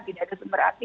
tidak ada sumber api